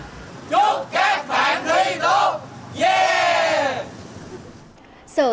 chúc các bạn đi tốt yeah